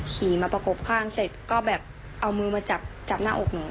ขี่มาประกบข้างเสร็จก็แบบเอามือมาจับจับหน้าอกหนู